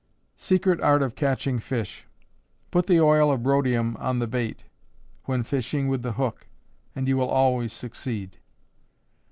Secret Art of Catching fish. Put the oil of rhodium on the bait, when fishing with the hook, and you will always succeed.